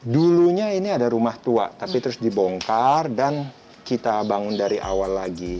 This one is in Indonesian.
dulunya ini ada rumah tua tapi terus dibongkar dan kita bangun dari awal lagi